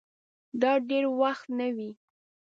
دا دېر وخت نه وې